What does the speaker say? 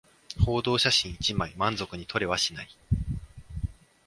報道写真一枚満足に撮れはしない